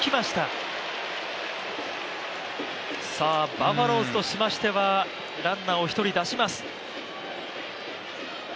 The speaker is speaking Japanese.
バファローズとしましては、ランナーを１人出します。